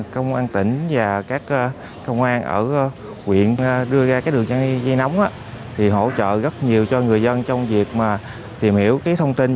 công an tỉnh và các công an ở huyện đưa ra cái đường dây nóng thì hỗ trợ rất nhiều cho người dân trong việc mà tìm hiểu cái thông tin